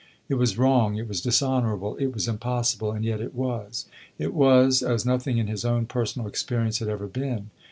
It was wrong it was dishonorable it was impossible and yet it was; it was, as nothing in his own personal experience had ever been.